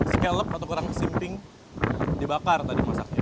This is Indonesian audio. scallop atau kurang simping dibakar tadi masaknya